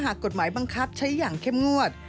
หากกฎหมายบังคับใช้อย่างเข้มงวด